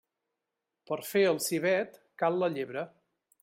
Per fer el civet, cal la llebre.